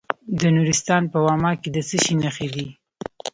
د نورستان په واما کې د څه شي نښې دي؟